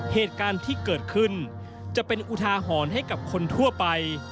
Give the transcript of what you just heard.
เหตุการณ์ที่เกิดขึ้นจะเป็นอุทาหรณ์ให้กับคนทั่วไป